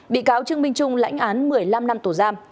bị cáo trương minh trung lãnh án một mươi năm năm tù giam